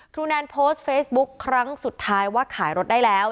แนนโพสต์เฟซบุ๊คครั้งสุดท้ายว่าขายรถได้แล้ว